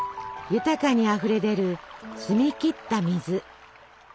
豊かにあふれ出る澄み切った水。